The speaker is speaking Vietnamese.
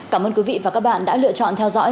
cảm ơn quý vị và các bạn đã lựa chọn theo dõi